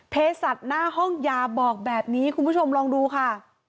สัตว์หน้าห้องยาบอกแบบนี้คุณผู้ชมลองดูค่ะ